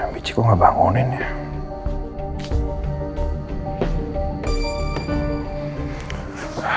bici kok gak bangunin ya